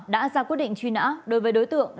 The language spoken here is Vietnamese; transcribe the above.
đã ra quyết định truy nã đối với đối tượng